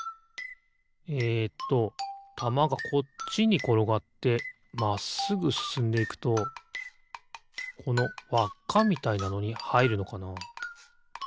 えっとたまがこっちにころがってまっすぐすすんでいくとこのわっかみたいなのにはいるのかな？